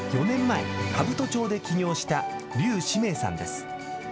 ４年前、兜町で起業した柳志明さんです。